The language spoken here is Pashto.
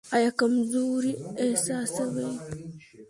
ایا کمزوري احساسوئ؟